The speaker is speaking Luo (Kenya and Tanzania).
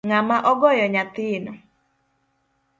Ngama ogoyo nyathino?